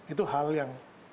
itu hal yang